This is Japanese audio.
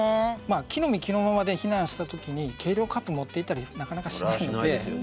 着のみ着のままで避難した時に計量カップ持っていったりなかなかしないので。